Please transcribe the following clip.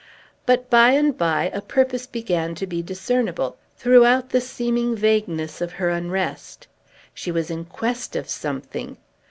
But, by and by, a purpose began to be discernible, throughout the seeming vagueness of her unrest. She was in quest of something.